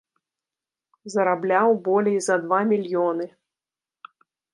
Зарабляў болей за два мільёны.